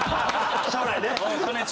将来ね。